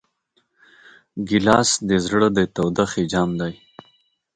ګیلاس د زړه د تودوخې جام دی.